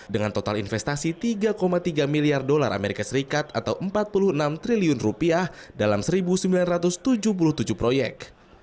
dengan total investasi tiga tiga miliar dolar as atau empat puluh enam triliun rupiah dalam satu sembilan ratus tujuh puluh tujuh proyek